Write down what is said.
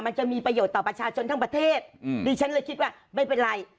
มันจะมีประโยชน์ต่อประชาชนทั้งประเทศดิฉันเลยคิดว่าไม่เป็นไร